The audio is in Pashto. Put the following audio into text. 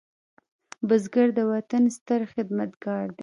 بزګر د وطن ستر خدمتګار دی